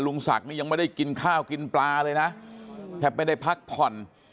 ศักดิ์นี่ยังไม่ได้กินข้าวกินปลาเลยนะแทบไม่ได้พักผ่อน